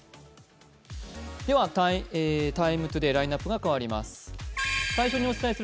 では、「ＴＩＭＥ，ＴＯＤＡＹ」ラインナップが変わります。